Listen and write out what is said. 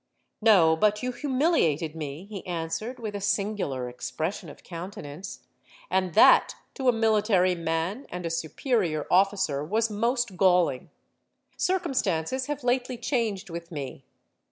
'—'No; but you humiliated me,' he answered, with a singular expression of countenance; 'and that, to a military man and a superior officer, was most galling. Circumstances have lately changed with me.